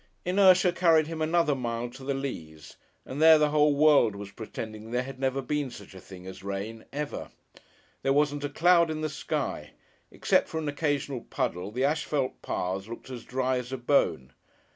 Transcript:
Inertia carried him another mile to the Leas, and there the whole world was pretending there had never been such a thing as rain ever. There wasn't a cloud in the sky; except for an occasional puddle the asphalt paths looked as dry as a bone.